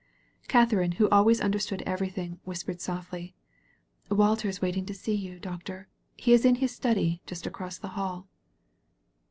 Katharine, who always understood everything, whispered softly: "Walter is waiting to see you. Doctor. He is in his study, just across the hall."